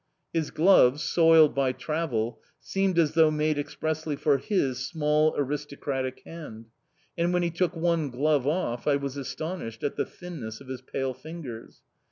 His gloves, soiled by travel, seemed as though made expressly for his small, aristocratic hand, and when he took one glove off I was astonished at the thinness of his pale fingers.